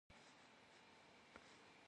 Psım dofe, psıç'e zıdotheş', dojış'e.